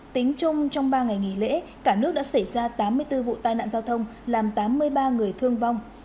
tính chung trong ba ngày nghỉ lễ cả nước đã xảy ra tám mươi bốn vụ tai nạn giao thông làm tám mươi ba người thương vong